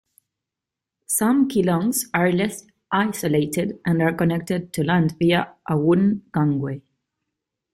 Some kelongs are less isolated and are connected to land via a wooden gangway.